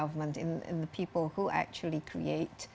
mereka tidak melakukannya sendiri